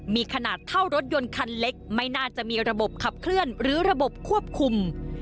มีขนาดเท่ารถยนต์คันเล็กไม่น่าจะมีระบบขับเคลื่อนหรือระบบควบคุม